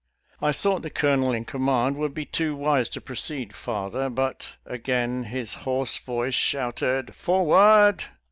I thought the colonel in command would be too wise to proceed farther. But again his hoarse voice shouted " Forward